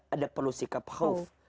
ada perlu sikap khawf